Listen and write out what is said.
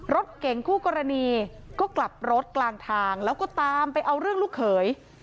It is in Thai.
รถเก่งคู่กรณีก็กลับรถกลางทางแล้วก็ตามไปเอาเรื่องลูกเขย